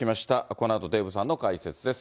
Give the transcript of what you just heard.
このあとデーブさんの解説です。